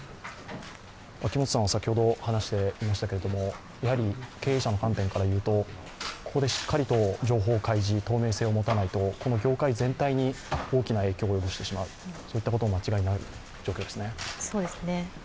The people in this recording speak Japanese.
秋元さんも先ほど話していましたけれども経営者の判断からいうとここでしっかりと情報開示透明性をもたないとこの業界全体に、大きな影響を及ぼしてしまうそういったことは間違いない状況ですね。